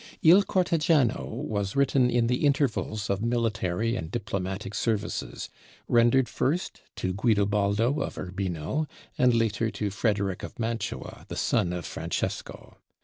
'Il Cortegiano' was written in the intervals of military and diplomatic services, rendered first to Guidobaldo of Urbino and later to Frederic of Mantua, the son of Francesco.